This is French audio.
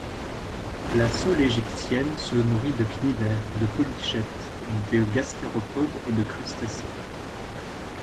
La sole égyptienne se nourrit de cnidaires, de polychètes, de gastéropodes et de crustacés.